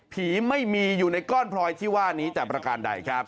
ผีไม่มีอยู่ในก้อนพลอยที่ว่านี้แต่ประการใดครับ